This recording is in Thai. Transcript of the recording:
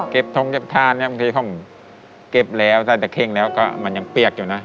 เก็บท้องเจ็บทานเนี้ยบางทีคงเก็บแล้วใส่แต่เครียงแล้วก็มันยังเปรียกอยู่น่ะ